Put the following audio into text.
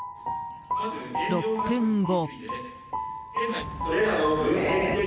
６分後。